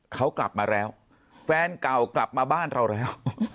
เขากลับมาแล้วแฟนเก่ากลับมาบ้านเราแล้ว